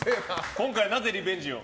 今回なぜリベンジを？